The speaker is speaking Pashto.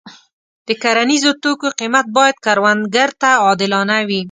د کرنیزو توکو قیمت باید کروندګر ته عادلانه وي.